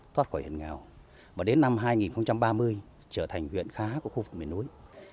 thoát khỏi hận ngào và đến năm hai nghìn ba mươi trở thành huyện khá hắc của khu vực miền núi